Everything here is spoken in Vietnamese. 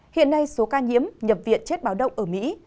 hiện nay số ca nhiễm nhập viện chết báo động ở mỹ